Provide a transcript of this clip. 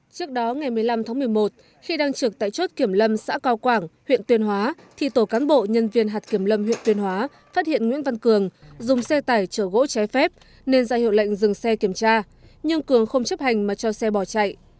trước đó ngày một mươi năm tháng một mươi một khi đang trực tại chốt kiểm lâm xã cao quảng huyện tuyên hóa thì tổ cán bộ nhân viên hạt kiểm lâm huyện tuyên hóa phát hiện nguyễn văn cường dùng xe tải chở gỗ trái phép nên ra hiệu lệnh dừng xe kiểm tra nhưng cường không chấp hành mà cho xe bỏ chạy